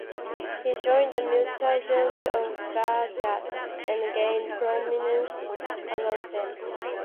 He joined the Mu'tazili of Baghdad, and gained prominence among them.